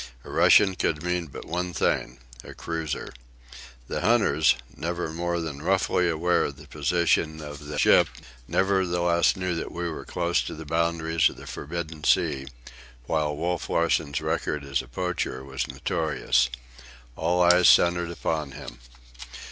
A Russian could mean but one thing—a cruiser. The hunters, never more than roughly aware of the position of the ship, nevertheless knew that we were close to the boundaries of the forbidden sea, while Wolf Larsen's record as a poacher was notorious. All eyes centred upon him.